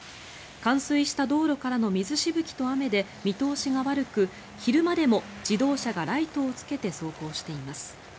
冠水した道路からの水しぶきと雨で見通しが悪く昼間でも自動車がライトをつけて走行しています。